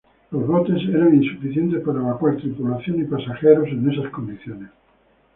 Los botes eran insuficientes para evacuar tripulación y pasajeros en esas condiciones.